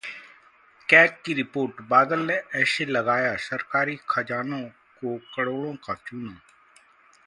CAG की report- Badal ने ऐसे लगाया सरकारी खजाने को करोड़ों का चूना